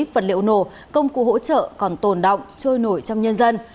vật liệu nổ công cụ hỗ trợ còn tồn động trôi nổi trong nhân dân